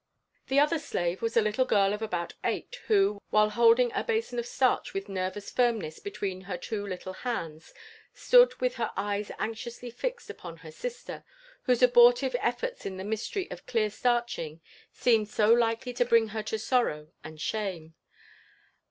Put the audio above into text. The other slave was a little girl of about eiglit, who, while holding « htiM of sftardi with nervous firmness between her two little hands, stood with her eyes anxiously fixed upon her sister, whose abortive et 156 LIFE AND ADVENTURES OP forts in the myslery of clear starching seemed so likely to bring her to sorrow and shame.